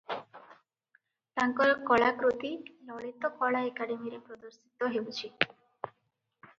ତାଙ୍କର କଳାକୃତି ଲଳିତ କଳା ଏକାଡେମୀରେ ପ୍ରଦର୍ଶିତ ହେଉଛି ।